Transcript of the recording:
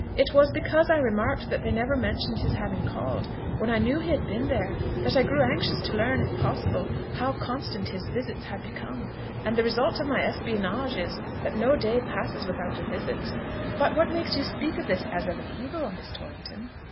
It was because I remarked that they never mentioned his having called, when I knew he had been there, that I grew anxious to learn, if possible, how constant his visits had become; and the result of my espionage is, that no day passes without a visit." "But what makes you speak of this as of an evil, Miss Torrington?"